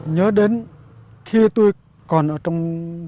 nhớ đến khi tôi còn ở trong